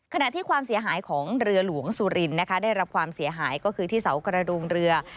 ขณะที่ความเสียหายของเรือหลวงสุรินนะคะได้รับความเสียหายก็คือที่เสากระดูงเรือ